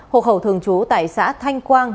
hộ khẩu thường trú tại xã thanh quang